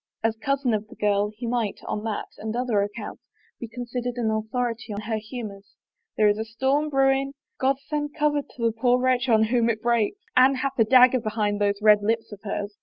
As cousin of the girl, he might, on that and other accounts, be considered an authority on her humors. " There is a storm brewing — God send cover to the poor wretch on whom it breaks ! Anne hath a dagger behind those red lips of hers.